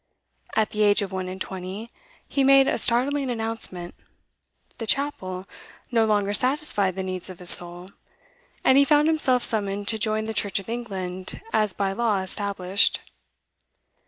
At the age of one and twenty he made a startling announcement; 'the Chapel' no longer satisfied the needs of his soul, and he found himself summoned to join the Church of England as by law established.